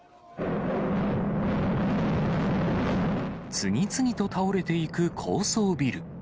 次々と倒れていく高層ビル。